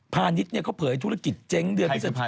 ภาณิชย์เนี่ยเขาเผยธุรกิจเจ้งเดือนพฤศจิกายโลก